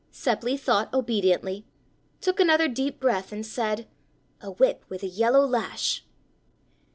Seppli thought obediently, took another deep breath, and said: "A whip with a yellow lash."